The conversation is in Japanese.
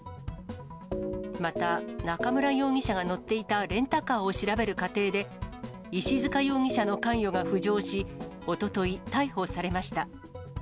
また、中村容疑者が乗っていたレンタカーを調べる過程で、石塚容疑者の関与が浮上し、おととい、逮捕されました。